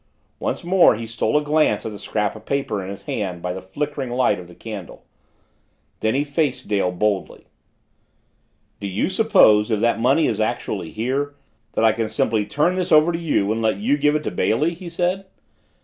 Once more he stole a glance at the scrap of paper in his hand by the flickering light of the candle. Then he faced Dale boldly. "Do you suppose, if that money is actually here, that I can simply turn this over to you and let you give it to Bailey?" he said.